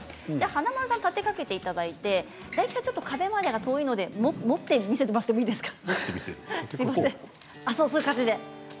華丸さん立てかけていただいて大吉さんは壁までが遠いので持って見せてもらっていいですか。